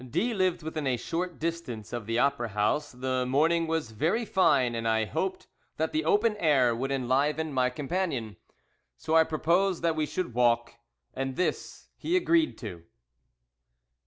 D lived within a short distance of the opera house, the morning was very fine, and I hoped that the open air would enliven my companion. So I proposed that we should walk, and this he agreed to.